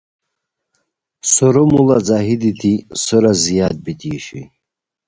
سورو موڑا ځاہی دیتی سورا زیاد بیتی اوشونی